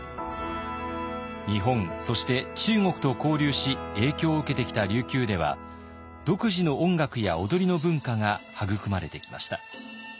日本そして中国と交流し影響を受けてきた琉球では独自の音楽や踊りの文化が育まれてきました。